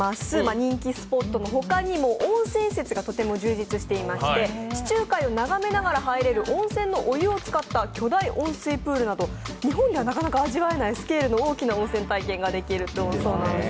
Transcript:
人気スポットの他にも温泉施設が充実していまして地中海を眺めながら入れる温泉のお湯を使った巨大温水プールなど、日本ではなかなか味わえないスケールの大きな温泉体験ができるそうです。